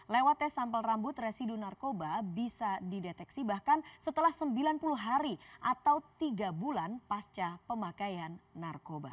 lewat tes sampel rambut residu narkoba bisa dideteksi bahkan setelah sembilan puluh hari atau tiga bulan pasca pemakaian narkoba